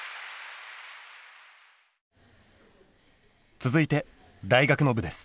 続いて大学の部です。